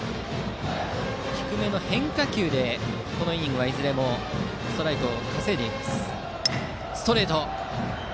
低めの変化球でこのイニングはいずれもストライクを稼いでいます。